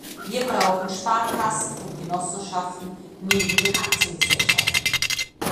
Wir brauchen Sparkassen und Genossenschaften neben den Aktiengesellschaften.